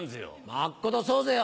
まっことそうぜよ。